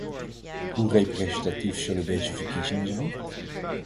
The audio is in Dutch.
Hoe representatief zullen deze verkiezingen zijn?